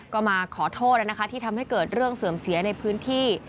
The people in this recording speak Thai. ก็มาขอโทษนะคะที่ทำให้เกิดเรื่องเสื่อมเสียในพื้นที่